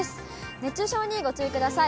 熱中症にご注意ください。